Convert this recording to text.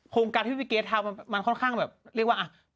โฆงการที่พี่เกฒถามันค่อนข้างเรียกว่า